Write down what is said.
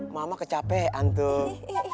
mama kecapean tuh